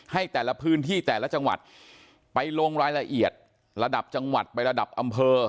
ให้แต่ละพื้นที่แต่ละจังหวัดไปลงรายละเอียดระดับจังหวัดไประดับอำเภอ